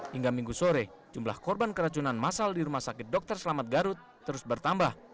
hingga minggu sore jumlah korban keracunan masal di rumah sakit dr selamat garut terus bertambah